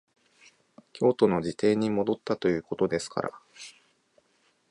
京都の自邸に戻ったということですから、